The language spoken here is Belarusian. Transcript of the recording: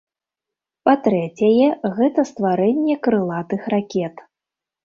Па-трэцяе, гэта стварэнне крылатых ракет.